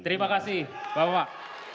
terima kasih bapak bapak